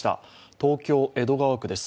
東京・江戸川区です。